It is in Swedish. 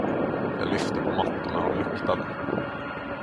Jag lyfte på mattorna och luktade.